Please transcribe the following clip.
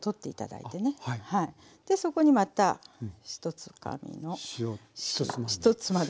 そこにまた１つかみの塩塩１つまみ。